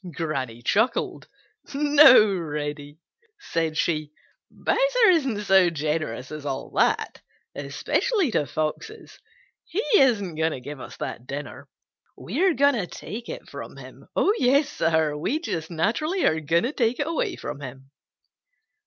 Granny chuckled. "No, Reddy," said she. "Bowser isn't so generous as all that, especially to Foxes. He isn't going to give us that dinner; we are going to take it away from him. Yes, Sir, we just naturally are going to take it away from, him."